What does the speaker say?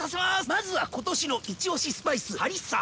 まずは今年のイチオシスパイスハリッサ！